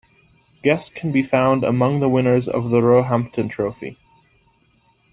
Guest can be found among the winners of the Roehampton Trophy.